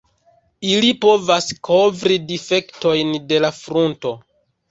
Ili povas kovri difektojn de la frunto.